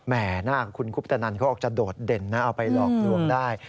หน้าคุณคุปตนันเขาออกจะโดดเด่นนะเอาไปหลอกลวงได้